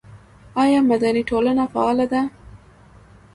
آیا مدني ټولنه فعاله ده؟